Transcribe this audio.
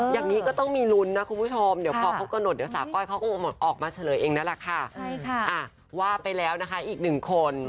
อย่างนี้ก็ต้องมีลุนคุณผู้ชมเดี๋ยวพ้อกระหนดเดี๋ยวสาก้อยจะออกมาชะเลเองน่ะล่ะว่าไปแล้วอีก๑คน